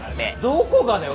どこがだよ！